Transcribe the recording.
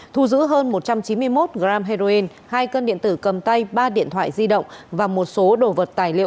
thu giữ hơn một trăm chín mươi một g heroin hai cân điện tử cầm tay ba điện thoại di động và một số đồ vật tài liệu